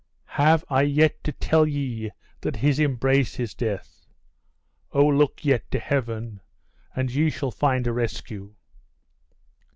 Have I yet to tell ye that his embrace is death? Oh! look yet to Heaven and ye shall find a rescue!"